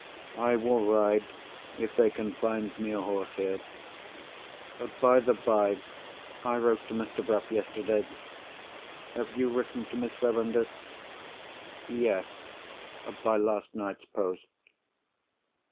"I will ride, if they can find me a horse here. By the bye, I wrote to Mr. Bruff, yesterday. Have you written to Miss Verinder?" "Yes—by last night's post."